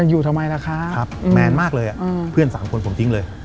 อยู่ทำไมล่ะครับแมนมากเลยเพื่อน๓คนผมทิ้งเลย